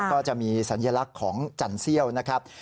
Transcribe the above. ก็จะมีสัญลักษณ์ของจันเซี่ยวนะครับ